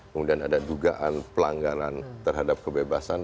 kemudian ada dugaan pelanggaran terhadap kebebasan